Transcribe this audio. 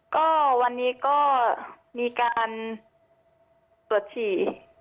ก็วันนี้ก็มีการตรวจฉี่